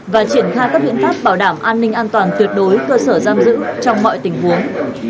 và triển khai các biện pháp bảo đảm an ninh an toàn tuyệt đối cơ sở giam giữ trong mọi tình huống